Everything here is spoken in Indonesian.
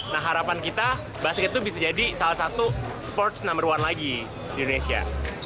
nah harapan kita basket itu bisa jadi salah satu sports number one lagi di indonesia